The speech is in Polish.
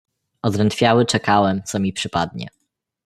"Odrętwiały czekałem, co mi przypadnie."